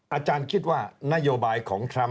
อาจารย์คิดว่านโยบายของทรัมป